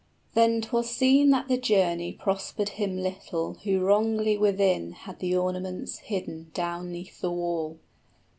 Then 'twas seen that the journey prospered him little Who wrongly within had the ornaments hidden Down 'neath the wall.